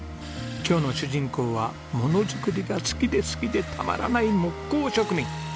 今日の主人公はものづくりが好きで好きでたまらない木工職人。